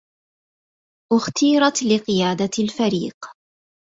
اختيرت لقيادة الفريق.